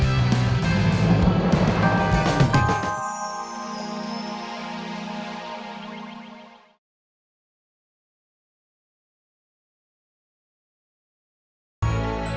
bukan untuk aku